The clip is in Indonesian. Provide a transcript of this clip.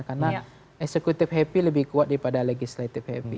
karena eksekutif happy lebih kuat daripada legislatif happy